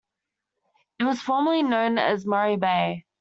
It was formerly known as Murray Bay.